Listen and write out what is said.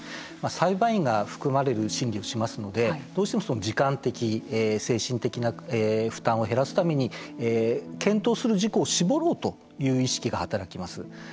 裁判員が含まれる審理をしますのでどうしても時間的、精神的な負担を減らすために検討する事項を絞ろうという意識が働きます。